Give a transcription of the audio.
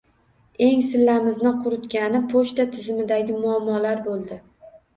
Eng sillamizni quritgani pochta tizimidagi muammolar bo‘ldi.